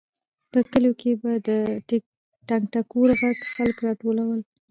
په کلیو کې به د ټنګ ټکور غږ خلک راټولول.